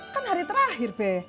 kan hari terakhir be